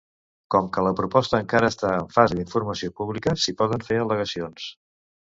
Com que la proposta encara està en fase d'informació pública, s'hi poden fer al·legacions.